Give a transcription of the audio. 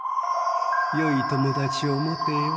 よい友達を持てよ。